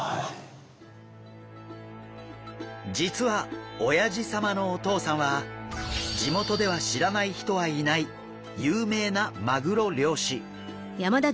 実はおやじ様のお父さんは地元では知らない人はいない有名なマグロ漁師。